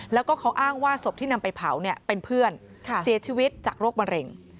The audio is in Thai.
แล้วก็เขาอ้างว่าศพที่นำไปเผาเป็นเพื่อนเสียชีวิตจากโรคมะเร็ง